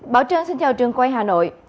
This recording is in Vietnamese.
bảo trân xin chào trường quay hà nội